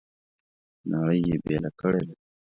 نړۍ یې بېله کړې ده.